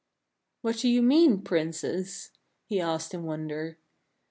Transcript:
" What do you mean, Princess ?" he asked in wonder.